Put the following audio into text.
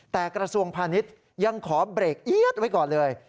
แต่กระทรวงพาณิชย์ยังขอเบรกเอี๊ยดไว้ก่อนเลย